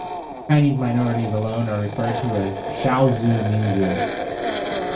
Chinese minorities alone are referred to as "Shaoshu Minzu".